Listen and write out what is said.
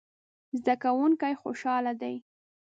زده کوونکي خوشحاله دي